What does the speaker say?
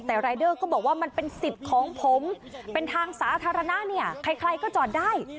แต่รายเดอร์ก็บอกว่ามันเป็นสิทธิ์ของผมเป็นทางสาธารณะเนี่ยใครก็จอดได้